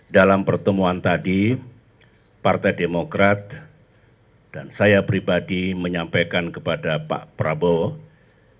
dalam pertemuan tadi partai demokrat dan saya pribadi menyampaikan kepada pak prabowo